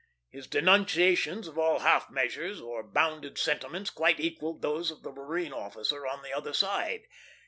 His denunciations of all half measures, or bounded sentiments, quite equalled those of the marine officer on the other side.